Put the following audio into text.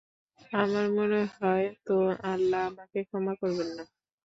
আমার মনে হয়, হয় তো আল্লাহ আমাকে ক্ষমা করবেন না।